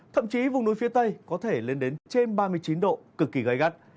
thậm chí vùng núi phía tây có thể lên đến trên ba mươi chín độ cực kỳ gây gắt